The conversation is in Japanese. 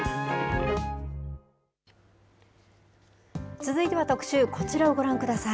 続いては特集、こちらをご覧ください。